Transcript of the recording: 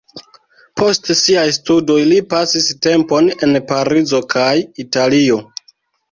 Post siaj studoj li pasis tempon en Parizo kaj Italio.